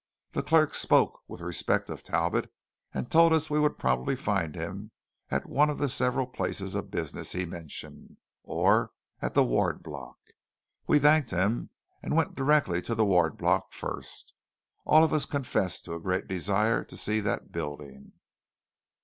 The clerk spoke with respect of Talbot, and told us we would probably find him at one of the several places of business he mentioned, or at the Ward Block. We thanked him, and went direct to the Ward Block first. All of us confessed to a great desire to see that building.